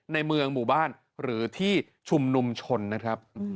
ในเมืองหมู่บ้านหรือที่ชุมนุมชนนะครับ